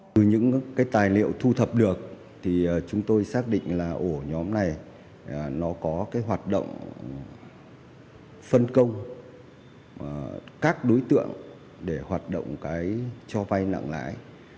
từ những tài liệu thu thập được chúng tôi xác định là ổ nhóm này có hoạt động phân công các đối tượng để hoạt động cho vay nặng lãi